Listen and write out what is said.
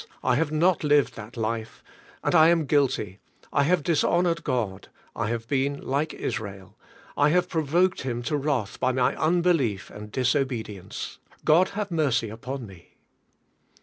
I have not lived that life, and I am guilty; I have dishonored God; I have been like Israel; I have provoked Him to wrath by my unbelief and disobedience. God have mercy upon me!"